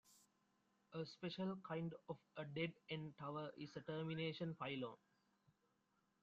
A special kind of a dead-end tower is a termination pylon.